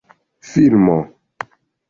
filmo